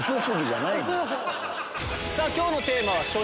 さぁ今日のテーマは。